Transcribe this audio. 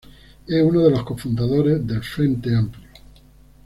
Es uno de los cofundadores del Frente Amplio.